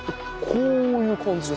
こういう感じです。